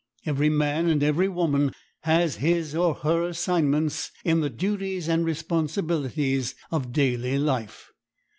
Every man and every woman has his or her assignments in the duties and responsibilities of daily life.